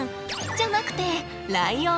じゃなくてライオン。